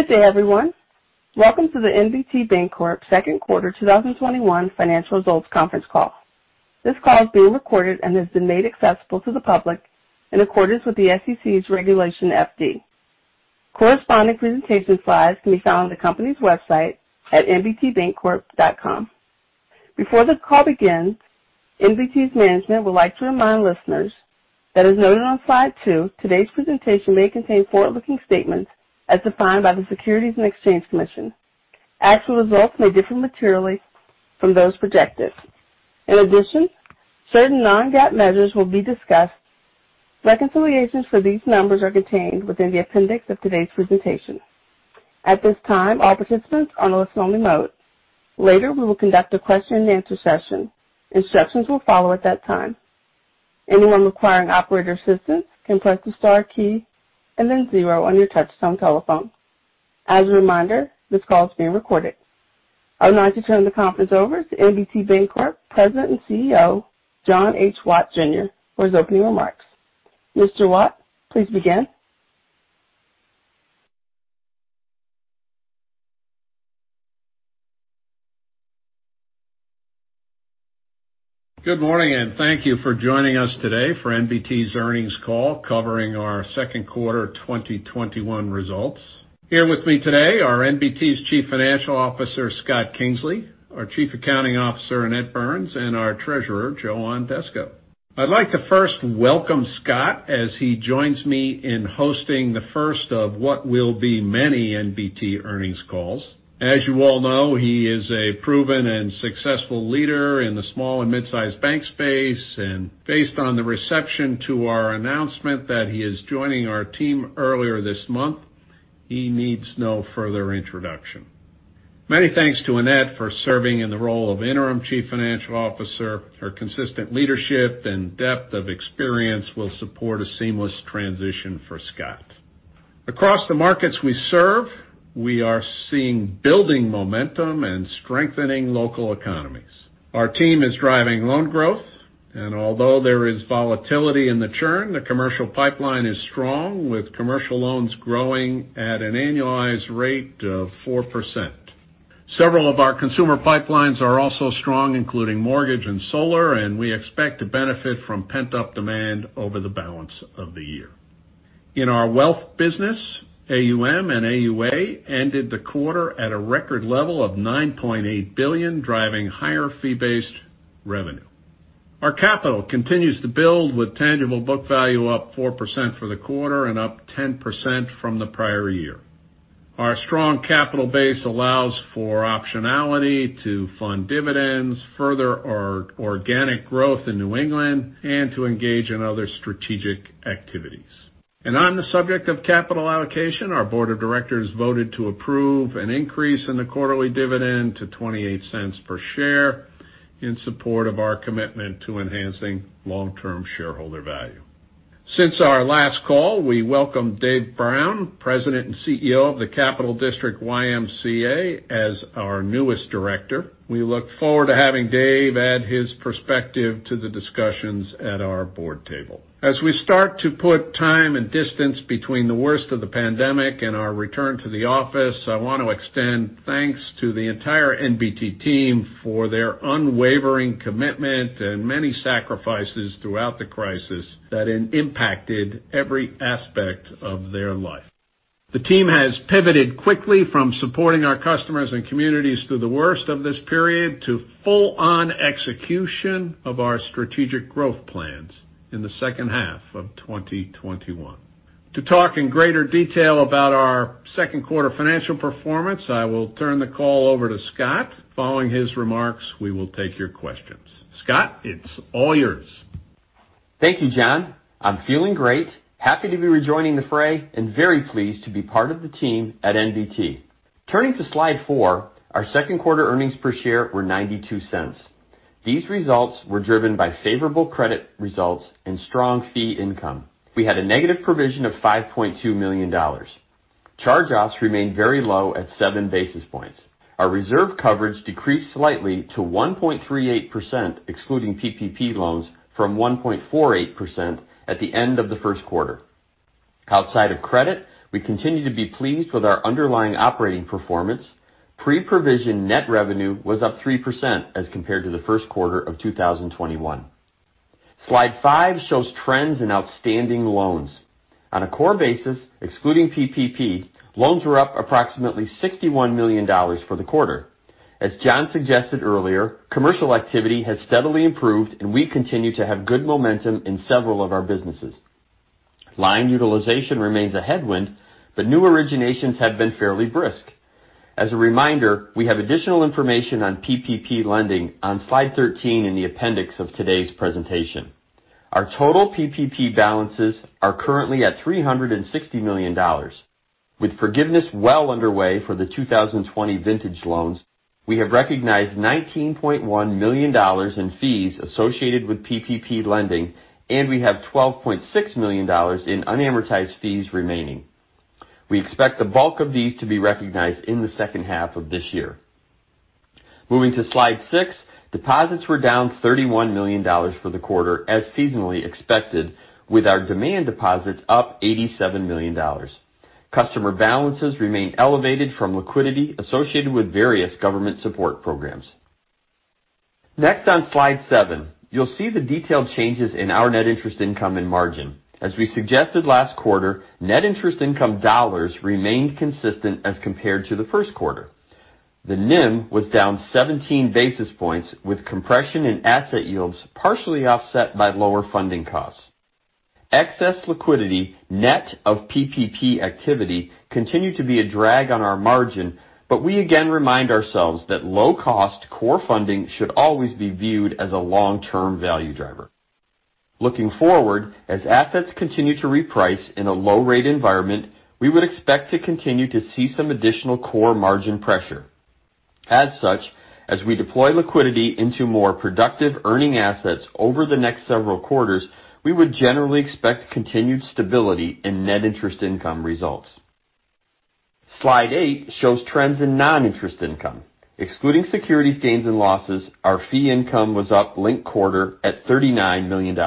Good day, everyone. Welcome to the NBT Bancorp second quarter 2021 financial results conference call. This call is being recorded and has been made accessible to the public in accordance with the SEC's Regulation FD. Corresponding presentation slides can be found on the company's website at nbtbancorp.com. Before the call begins, NBT's management would like to remind listeners that as noted on slide two, today's presentation may contain forward-looking statements as defined by the Securities and Exchange Commission. Actual results may differ materially from those projected. In addition, certain non-GAAP measures will be discussed. Reconciliations for these numbers are contained within the appendix of today's presentation. At this time, all participants are on a listen-only mode. Later, we will conduct a question and answer session. Instructions will follow at that time. As a reminder, this call is being recorded. I would like to turn the conference over to NBT Bancorp President and CEO, John H. Watt Jr. for his opening remarks. Mr. Watt, please begin. Good morning, and thank you for joining us today for NBT's earnings call covering our second quarter 2021 results. Here with me today are NBT's Chief Financial Officer, Scott Kingsley, our Chief Accounting Officer, Annette Burns, and our Treasurer, Joe Ondesko. I'd like to first welcome Scott as he joins me in hosting the first of what will be many NBT earnings calls. As you all know, he is a proven and successful leader in the small and mid-sized bank space, and based on the reception to our announcement that he is joining our team earlier this month, he needs no further introduction. Many thanks to Annette for serving in the role of Interim Chief Financial Officer. Her consistent leadership and depth of experience will support a seamless transition for Scott. Across the markets we serve, we are seeing building momentum and strengthening local economies. Our team is driving loan growth. Although there is volatility in the churn, the commercial pipeline is strong, with commercial loans growing at an annualized rate of 4%. Several of our consumer pipelines are also strong, including mortgage and solar. We expect to benefit from pent-up demand over the balance of the year. In our wealth business, AUM and AUA ended the quarter at a record level of $9.8 billion, driving higher fee-based revenue. Our capital continues to build with tangible book value up 4% for the quarter and up 10% from the prior year. Our strong capital base allows for optionality to fund dividends, further our organic growth in New England, and to engage in other strategic activities. On the subject of capital allocation, our board of directors voted to approve an increase in the quarterly dividend to $0.28 per share in support of our commitment to enhancing long-term shareholder value. Since our last call, we welcomed Dave Brown, President and CEO of the Capital District YMCA, as our newest director. We look forward to having Dave add his perspective to the discussions at our board table. As we start to put time and distance between the worst of the pandemic and our return to the office, I want to extend thanks to the entire NBT team for their unwavering commitment and many sacrifices throughout the crisis that impacted every aspect of their life. The team has pivoted quickly from supporting our customers and communities through the worst of this period to full-on execution of our strategic growth plans in the second half of 2021. To talk in greater detail about our second quarter financial performance, I will turn the call over to Scott. Following his remarks, we will take your questions. Scott, it's all yours. Thank you, John. I'm feeling great. Happy to be rejoining the fray and very pleased to be part of the team at NBT. Turning to slide four, our second quarter earnings per share were $0.92. These results were driven by favorable credit results and strong fee income. We had a negative provision of $5.2 million. Charge-offs remained very low at 7 basis points. Our reserve coverage decreased slightly to 1.38%, excluding PPP loans, from 1.48% at the end of the first quarter. Outside of credit, we continue to be pleased with our underlying operating performance. Pre-provision net revenue was up 3% as compared to the first quarter of 2021. Slide five shows trends in outstanding loans. On a core basis, excluding PPP, loans were up approximately $61 million for the quarter. As John suggested earlier, commercial activity has steadily improved, and we continue to have good momentum in several of our businesses. Line utilization remains a headwind, but new originations have been fairly brisk. As a reminder, we have additional information on PPP lending on slide 13 in the appendix of today's presentation. Our total PPP balances are currently at $360 million. With forgiveness well underway for the 2020 vintage loans, we have recognized $19.1 million in fees associated with PPP lending, and we have $12.6 million in unamortized fees remaining. We expect the bulk of these to be recognized in the second half of this year. Moving to slide six, deposits were down $31 million for the quarter, as seasonally expected, with our demand deposits up $87 million. Customer balances remain elevated from liquidity associated with various government support programs. Next, on slide seven, you'll see the detailed changes in our net interest income and margin. As we suggested last quarter, net interest income dollars remained consistent as compared to the first quarter. The NIM was down 17 basis points, with compression in asset yields partially offset by lower funding costs. Excess liquidity, net of PPP activity, continued to be a drag on our margin, but we again remind ourselves that low-cost core funding should always be viewed as a long-term value driver. Looking forward, as assets continue to reprice in a low-rate environment, we would expect to continue to see some additional core margin pressure. As such, as we deploy liquidity into more productive earning assets over the next several quarters, we would generally expect continued stability in net interest income results. Slide eight shows trends in non-interest income. Excluding security gains and losses, our fee income was up linked quarter at $39 million.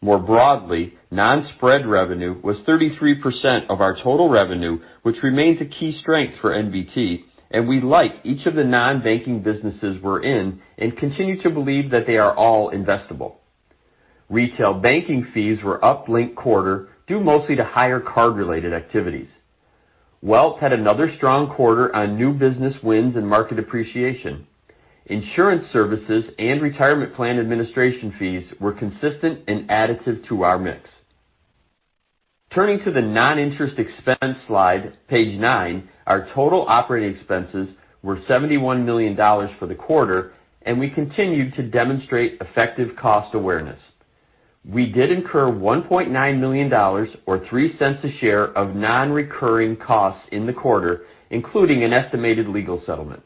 More broadly, non-spread revenue was 33% of our total revenue, which remains a key strength for NBT, and we like each of the non-banking businesses we're in and continue to believe that they are all investable. Retail banking fees were up linked quarter, due mostly to higher card-related activities. Wealth had another strong quarter on new business wins and market appreciation. Insurance services and retirement plan administration fees were consistent and additive to our mix. Turning to the non-interest expense slide, page nine, our total operating expenses were $71 million for the quarter, and we continued to demonstrate effective cost awareness. We did incur $1.9 million, or $0.03 a share, of non-recurring costs in the quarter, including an estimated legal settlement.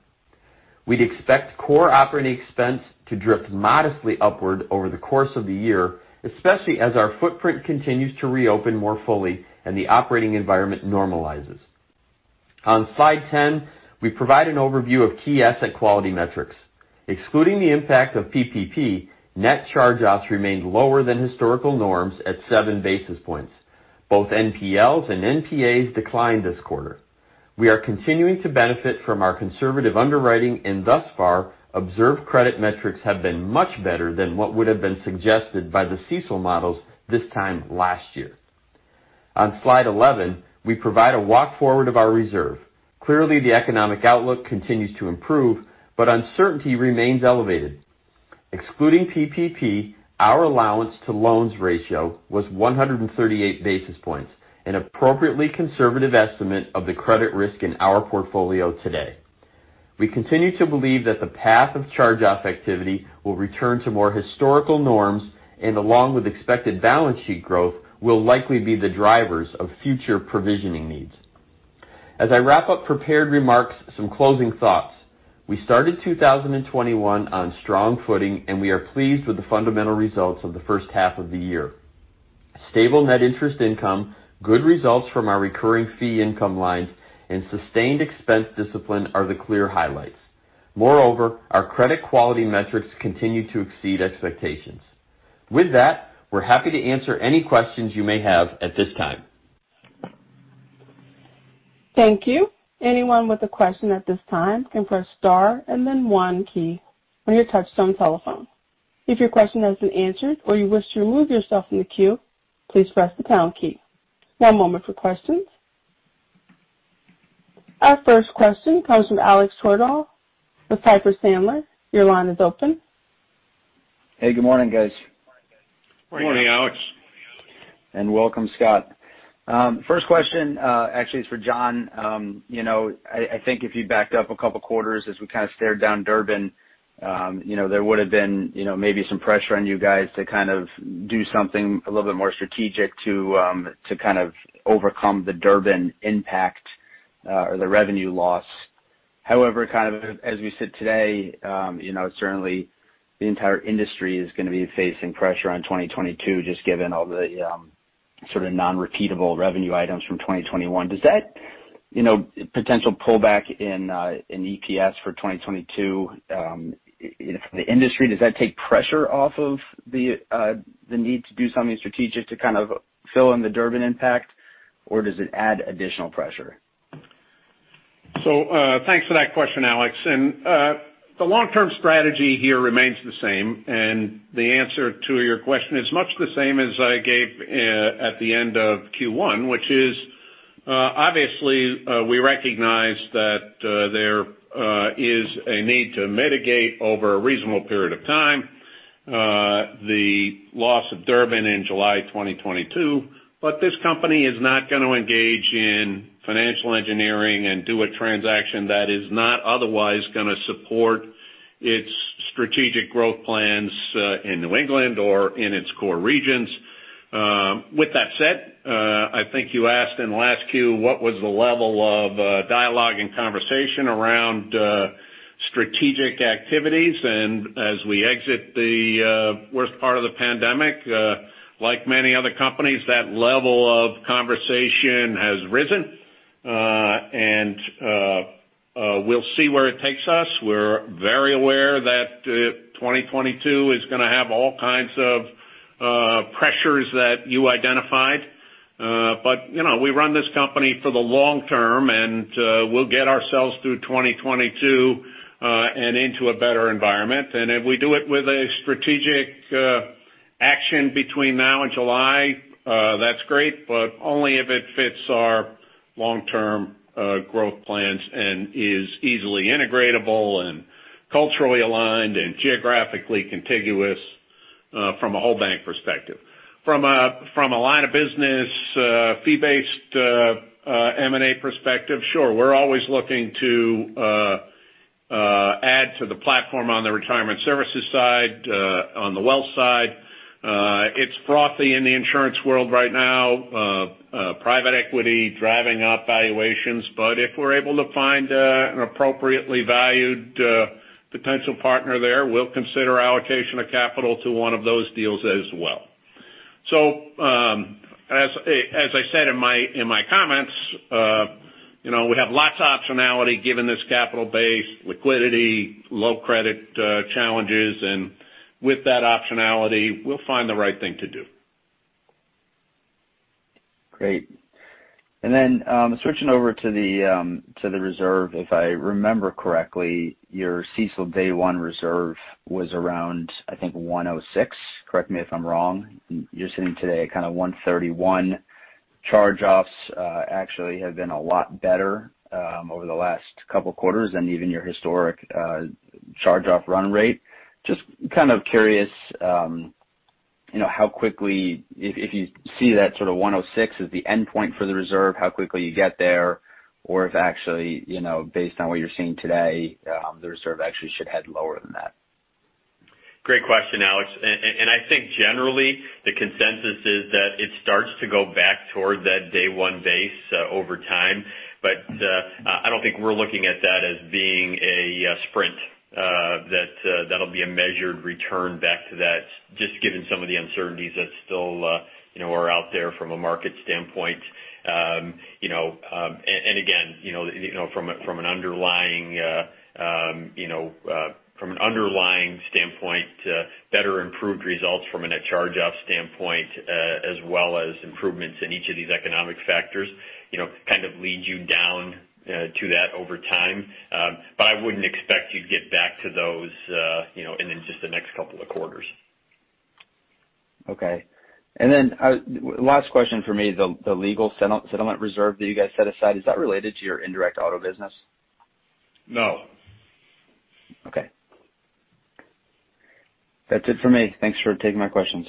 We'd expect core operating expense to drift modestly upward over the course of the year, especially as our footprint continues to reopen more fully and the operating environment normalizes. On slide 10, we provide an overview of key asset quality metrics. Excluding the impact of PPP, net charge-offs remained lower than historical norms at 7 basis points. Both NPLs and NPAs declined this quarter. We are continuing to benefit from our conservative underwriting and thus far, observed credit metrics have been much better than what would've been suggested by the CECL models this time last year. On slide 11, we provide a walk forward of our reserve. Clearly, the economic outlook continues to improve, but uncertainty remains elevated. Excluding PPP, our allowance to loans ratio was 138 basis points, an appropriately conservative estimate of the credit risk in our portfolio today. We continue to believe that the path of charge-off activity will return to more historical norms, and along with expected balance sheet growth, will likely be the drivers of future provisioning needs. As I wrap up prepared remarks, some closing thoughts. We started 2021 on strong footing, and we are pleased with the fundamental results of the first half of the year. Stable net interest income, good results from our recurring fee income lines, and sustained expense discipline are the clear highlights. Moreover, our credit quality metrics continue to exceed expectations. With that, we're happy to answer any questions you may have at this time. Thank you. Anyone with a question at this time can press star and then one key on your touchtone telephone. If your question has been answered or you wish to remove yourself from the queue, please press the pound key. One moment for questions. Our first question comes from Alex Twerdahl with Piper Sandler. Your line is open. Hey, good morning, guys. Morning, Alex. Welcome, Scott. First question actually is for John. I think if you backed up a couple of quarters as we kind of stared down Durbin, there would've been maybe some pressure on you guys to kind of do something a little bit more strategic to kind of overcome the Durbin impact or the revenue loss. Kind of as we sit today, certainly the entire industry is going to be facing pressure on 2022, just given all the sort of non-repeatable revenue items from 2021. Does that potential pullback in EPS for 2022 for the industry, does that take pressure off of the need to do something strategic to kind of fill in the Durbin impact, or does it add additional pressure? Thanks for that question, Alex. The long-term strategy here remains the same, and the answer to your question is much the same as I gave at the end of Q1, which is, obviously, we recognize that there is a need to mitigate over a reasonable period of time the loss of Durbin in July 2022, but this company is not going to engage in financial engineering and do a transaction that is not otherwise going to support its strategic growth plans in New England or in its core regions. With that said, I think you asked in the last Q, what was the level of dialogue and conversation around strategic activities. As we exit the worst part of the pandemic, Like many other companies, that level of conversation has risen, and we'll see where it takes us. We're very aware that 2022 is going to have all kinds of pressures that you identified. We run this company for the long term, and we'll get ourselves through 2022, and into a better environment. If we do it with a strategic action between now and July, that's great, but only if it fits our long-term growth plans and is easily integratable and culturally aligned and geographically contiguous from a whole bank perspective. From a line of business, fee-based M&A perspective, sure, we're always looking to add to the platform on the retirement services side, on the wealth side. It's frothy in the insurance world right now. Private equity driving up valuations. If we're able to find an appropriately valued potential partner there, we'll consider allocation of capital to one of those deals as well. As I said in my comments, we have lots of optionality given this capital base, liquidity, low credit challenges. With that optionality, we'll find the right thing to do. Great. Switching over to the reserve. If I remember correctly, your CECL day one reserve was around, I think, 106. Correct me if I'm wrong. You're sitting today at kind of 131. Charge-offs actually have been a lot better over the last couple of quarters than even your historic charge-off run rate. Just kind of curious, if you see that sort of 106 as the endpoint for the reserve, how quickly you get there, or if actually, based on what you're seeing today, the reserve actually should head lower than that. Great question, Alex. I think generally, the consensus is that it starts to go back towards that day one base over time. I don't think we're looking at that as being a sprint. That'll be a measured return back to that, just given some of the uncertainties that still are out there from a market standpoint. Again, from an underlying standpoint, better improved results from a net charge-off standpoint, as well as improvements in each of these economic factors lead you down to that over time. I wouldn't expect you to get back to those in just the next couple of quarters. Okay. Last question for me, the legal settlement reserve that you guys set aside, is that related to your indirect auto business? No. Okay. That's it for me. Thanks for taking my questions.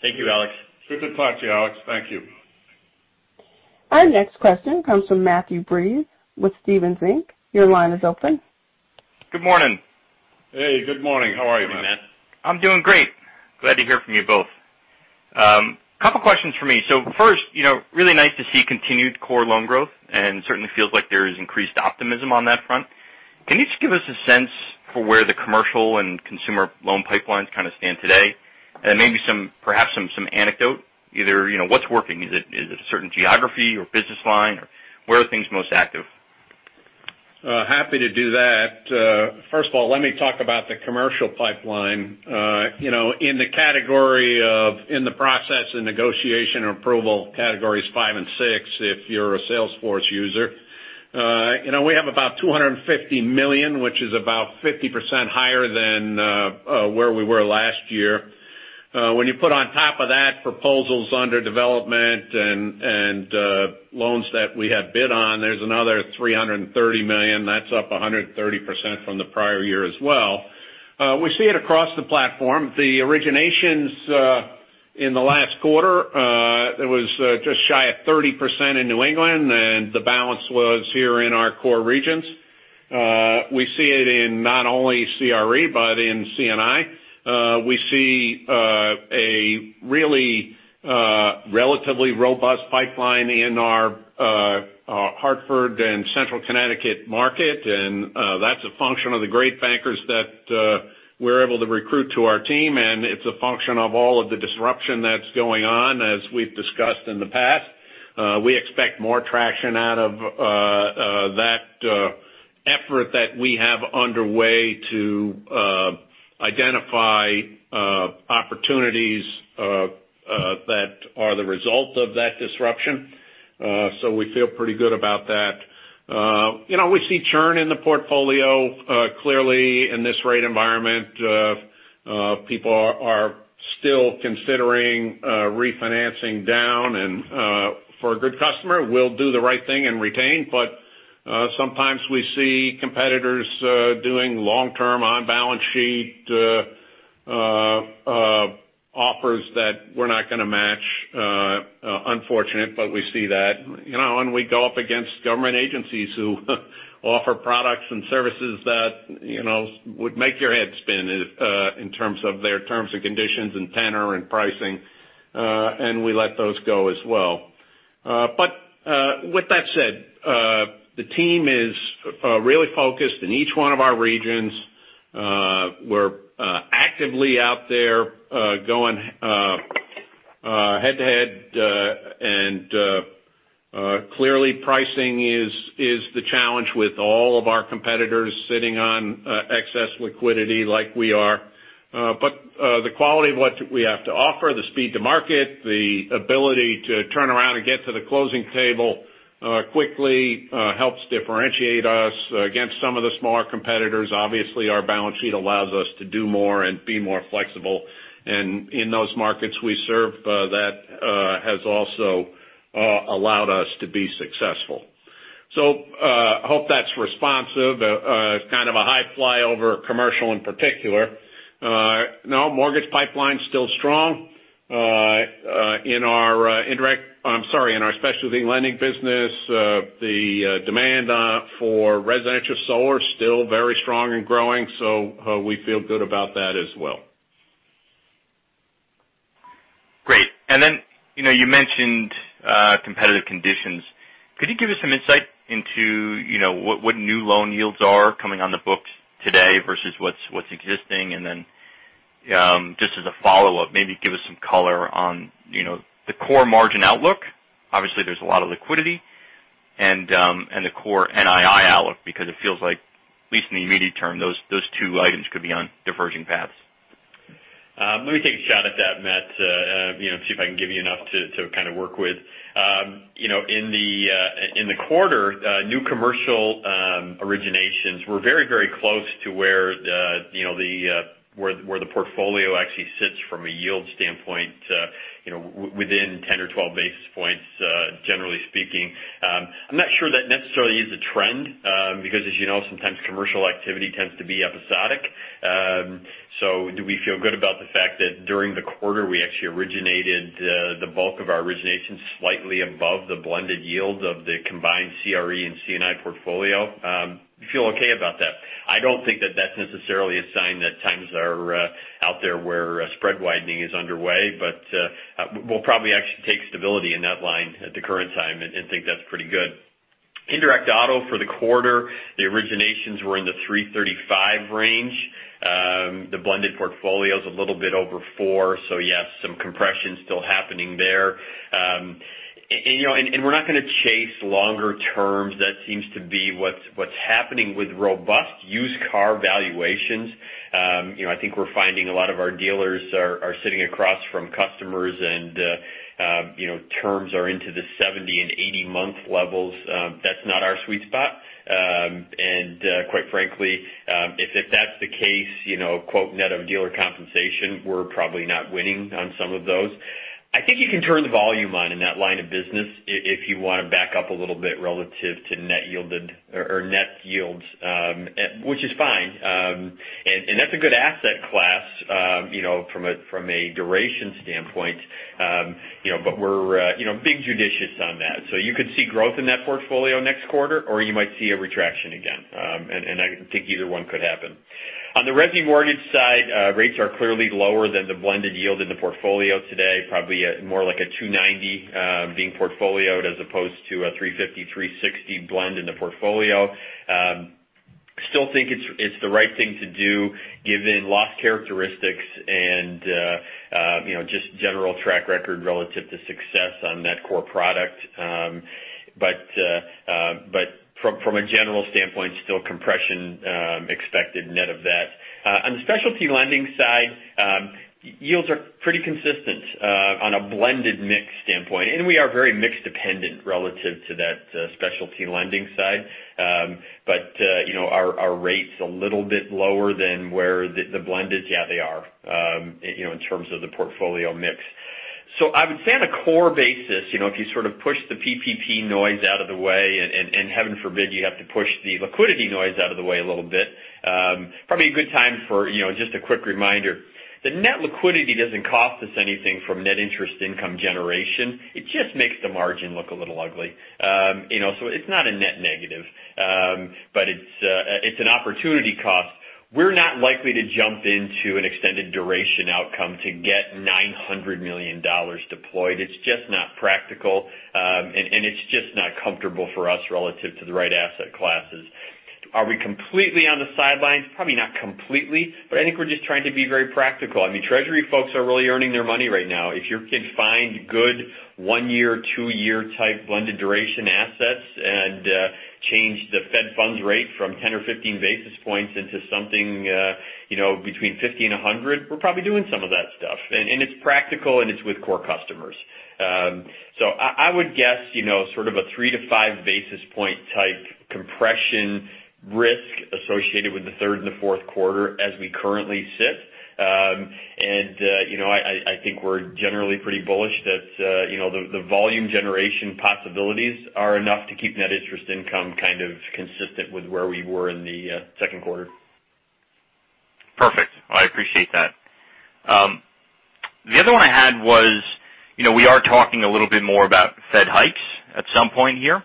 Thank you, Alex. It's good to talk to you, Alex. Thank you. Our next question comes from Matthew Breese with Stephens Inc. Your line is open. Good morning. Hey. Good morning. How are you, Matt? I'm doing great. Glad to hear from you both. Couple questions for me. First, really nice to see continued core loan growth, and certainly feels like there is increased optimism on that front. Can you just give us a sense for where the commercial and consumer loan pipelines kind of stand today? Maybe perhaps some anecdote, either what's working, is it a certain geography or business line, or where are things most active? Happy to do that. First of all, let me talk about the commercial pipeline. In the category of in the process and negotiation approval categories five and six, if you're a Salesforce user. We have about $250 million, which is about 50% higher than where we were last year. When you put on top of that proposals under development and loans that we have bid on, there's another $330 million. That's up 130% from the prior year as well. We see it across the platform. The originations in the last quarter, it was just shy of 30% in New England, and the balance was here in our core regions. We see it in not only CRE, but in C&I. We see a really relatively robust pipeline in our Hartford and Central Connecticut market. That's a function of the great bankers that we're able to recruit to our team. It's a function of all of the disruption that's going on, as we've discussed in the past. We expect more traction out of that effort that we have underway to identify opportunities that are the result of that disruption. We feel pretty good about that. We see churn in the portfolio. Clearly in this rate environment, people are still considering refinancing down. For a good customer, we'll do the right thing and retain, but sometimes we see competitors doing long-term on-balance sheet offers that we're not going to match. Unfortunate, but we see that. We go up against government agencies who offer products and services that would make your head spin in terms of their terms and conditions and tenor and pricing. We let those go as well. With that said, the team is really focused in each one of our regions. We're actively out there going head-to-head, and clearly pricing is the challenge with all of our competitors sitting on excess liquidity like we are. The quality of what we have to offer, the speed to market, the ability to turn around and get to the closing table quickly helps differentiate us against some of the smaller competitors. Obviously, our balance sheet allows us to do more and be more flexible. In those markets we serve, that has also allowed us to be successful. I hope that's responsive. Kind of a high fly over commercial in particular. Mortgage pipeline's still strong. In our specialty lending business, the demand for residential solar is still very strong and growing, so we feel good about that as well. Great. Then you mentioned competitive conditions. Could you give us some insight into what new loan yields are coming on the books today versus what's existing? Then, just as a follow-up, maybe give us some color on the core margin outlook. Obviously, there's a lot of liquidity. The core NII outlook, because it feels like at least in the immediate term, those two items could be on diverging paths. Let me take a shot at that, Matt. See if I can give you enough to kind of work with. In the quarter, new commercial originations were very close to where the portfolio actually sits from a yield standpoint within 10 or 12 basis points, generally speaking. I'm not sure that necessarily is a trend, because as you know, sometimes commercial activity tends to be episodic. Do we feel good about the fact that during the quarter we actually originated the bulk of our originations slightly above the blended yields of the combined CRE and C&I portfolio? We feel okay about that. I don't think that that's necessarily a sign that times are out there where spread widening is underway. We'll probably actually take stability in that line at the current time and think that's pretty good. Indirect auto for the quarter, the originations were in the $335 million range. The blended portfolio is a little bit over 4%. Yes, some compression still happening there. We're not going to chase longer terms. That seems to be what's happening with robust used car valuations. I think we're finding a lot of our dealers are sitting across from customers and terms are into the 70 and 80-month levels. That's not our sweet spot. Quite frankly, if that's the case, quote net of dealer compensation, we're probably not winning on some of those. I think you can turn the volume on in that line of business if you want to back up a little bit relative to net yielded or net yields, which is fine. That's a good asset class from a duration standpoint. We're being judicious on that. You could see growth in that portfolio next quarter, or you might see a retraction again. I think either one could happen. On the resi mortgage side, rates are clearly lower than the blended yield in the portfolio today. Probably more like a 2.90% being portfolioed as opposed to a 3.50%, 3.60% blend in the portfolio. Still think it's the right thing to do given loss characteristics and just general track record relative to success on that core product. From a general standpoint, still compression expected net of that. On the specialty lending side, yields are pretty consistent on a blended mix standpoint. We are very mix dependent relative to that specialty lending side. Are our rates a little bit lower than where the blend is? Yeah, they are in terms of the portfolio mix. I would say on a core basis, if you sort of push the PPP noise out of the way, and heaven forbid you have to push the liquidity noise out of the way a little bit, probably a good time for just a quick reminder. The net liquidity doesn't cost us anything from net interest income generation. It just makes the margin look a little ugly. It's not a net negative. It's an opportunity cost. We're not likely to jump into an extended duration outcome to get $900 million deployed. It's just not practical. It's just not comfortable for us relative to the right asset classes. Are we completely on the sidelines? Probably not completely, but I think we're just trying to be very practical. Treasury folks are really earning their money right now. If you can find good one-year, two-year type blended duration assets and change the Fed funds rate from 10 or 15 basis points into something between 50 and 100, we're probably doing some of that stuff. I would guess sort of a 3-5 basis point type compression risk associated with the third and fourth quarter as we currently sit. I think we're generally pretty bullish that the volume generation possibilities are enough to keep net interest income kind of consistent with where we were in the second quarter. Perfect. I appreciate that. The other one I had was, we are talking a little bit more about Fed hikes at some point here.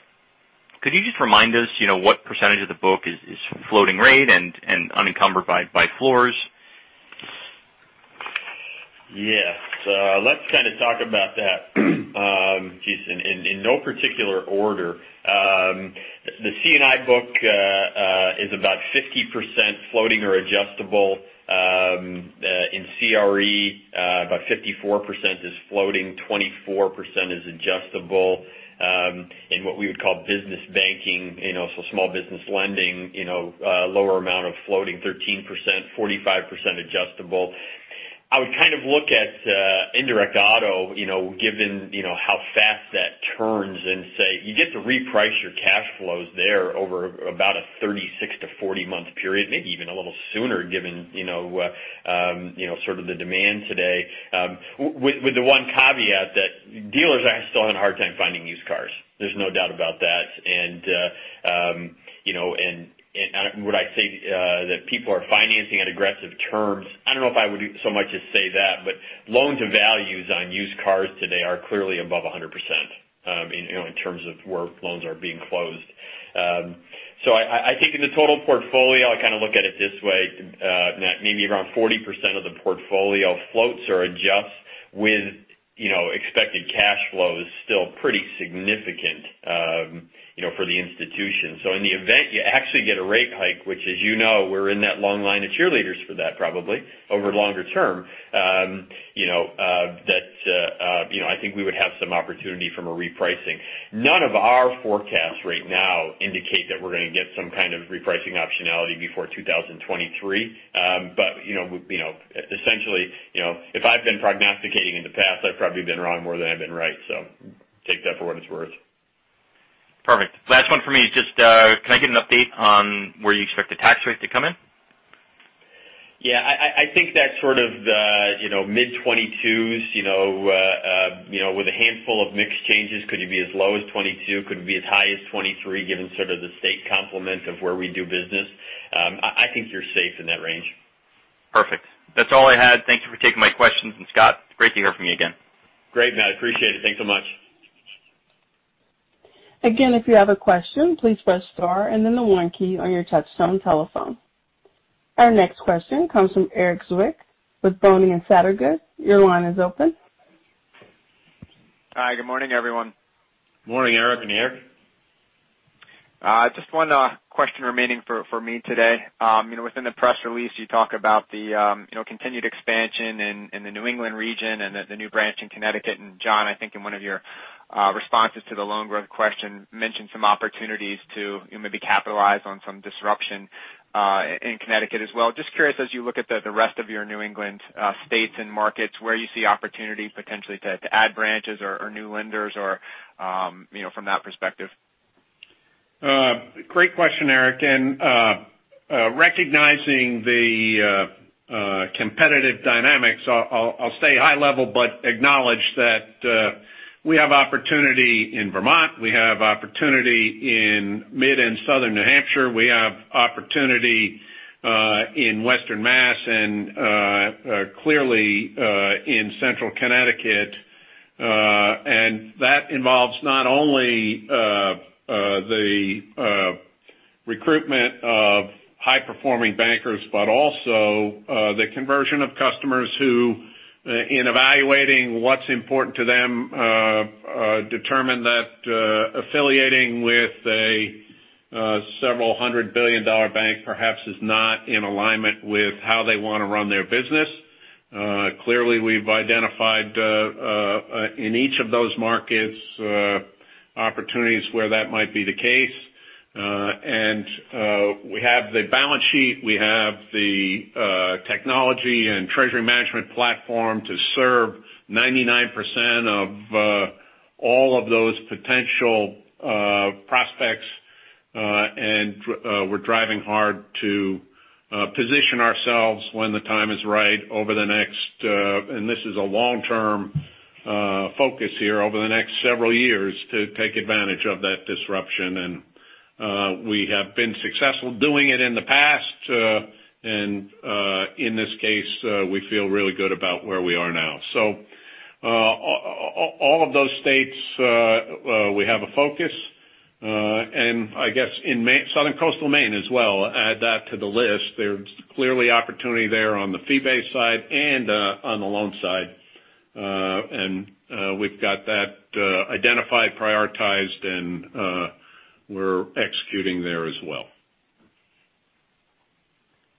Could you just remind us what percentage of the book is floating rate and unencumbered by floors? Yes. Let's kind of talk about that, [Breese]. In no particular order, the C&I book is about 50% floating or adjustable. In CRE, about 54% is floating, 24% is adjustable. In what we would call business banking, so small business lending, lower amount of floating, 13%, 45% adjustable. I would kind of look at indirect auto, given how fast that turns and say you get to reprice your cash flows there over about a 36-40 month period, maybe even a little sooner given sort of the demand today. With the one caveat that dealers are still having a hard time finding used cars. There's no doubt about that. Would I say that people are financing at aggressive terms? I don't know if I would so much as say that. Loans and values on used cars today are clearly above 100% in terms of where loans are being closed. I think in the total portfolio, I kind of look at it this way, Matt, maybe around 40% of the portfolio floats or adjusts with expected cash flows still pretty significant for the institution. In the event you actually get a rate hike, which, as you know, we're in that long line of cheerleaders for that probably, over longer term, I think we would have some opportunity from a repricing. None of our forecasts right now indicate that we're going to get some kind of repricing optionality before 2023. Essentially, if I've been prognosticating in the past, I've probably been wrong more than I've been right. Take that for what it's worth. Perfect. Last one for me is just, can I get an update on where you expect the tax rate to come in? Yeah, I think that's sort of the mid-2022s with a handful of mixed changes. Could it be as low as 2022? Could it be as high as 2023 given sort of the state complement of where we do business? I think you're safe in that range. Perfect. That's all I had. Thank you for taking my questions. Scott, great to hear from you again. Great, Matt, appreciate it. Thanks so much. Again, if you have a question, please press star and then the one key on your touchtone telephone. Our next question comes from Erik Zwick with Boenning & Scattergood. Your line is open. Hi, good morning, everyone. Morning, Erik. Can you hear? Just one question remaining for me today. Within the press release, you talk about the continued expansion in the New England region and the new branch in Connecticut. John, I think in one of your responses to the loan growth question, mentioned some opportunities to maybe capitalize on some disruption in Connecticut as well. Just curious, as you look at the rest of your New England states and markets, where you see opportunities potentially to add branches or new lenders or from that perspective? Great question, Erik. Recognizing the competitive dynamics, I'll stay high level, but acknowledge that we have opportunity in Vermont. We have opportunity in mid and southern New Hampshire. We have opportunity in Western Mass and clearly in central Connecticut. That involves not only the recruitment of high-performing bankers, but also the conversion of customers who, in evaluating what's important to them, determine that affiliating with a several hundred-billion-dollar bank perhaps is not in alignment with how they want to run their business. Clearly, we've identified, in each of those markets, opportunities where that might be the case. We have the balance sheet, we have the technology and treasury management platform to serve 99% of all of those potential prospects. We're driving hard to position ourselves when the time is right over the next and this is a long-term focus here, over the next several years to take advantage of that disruption. We have been successful doing it in the past. In this case, we feel really good about where we are now. All of those states we have a focus. I guess in Southern Coastal Maine as well, add that to the list. There's clearly opportunity there on the fee-based side and on the loan side. We've got that identified, prioritized, and we're executing there as well.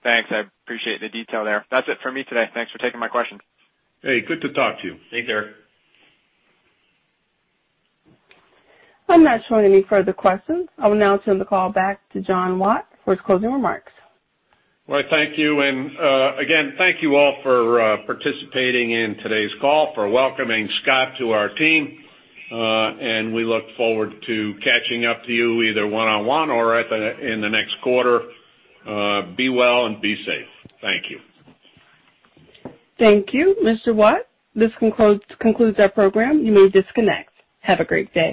Thanks. I appreciate the detail there. That's it for me today. Thanks for taking my question. Hey, good to talk to you. Thanks, Erik. I'm not showing any further questions. I will now turn the call back to John Watt for his closing remarks. Well, thank you. Again, thank you all for participating in today's call, for welcoming Scott to our team. We look forward to catching up to you either one-on-one or in the next quarter. Be well and be safe. Thank you. Thank you, Mr. Watt. This concludes our program. You may disconnect. Have a great day.